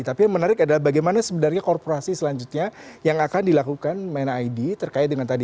tapi yang menarik adalah bagaimana sebenarnya korporasi selanjutnya yang akan dilakukan main id terkait dengan tadi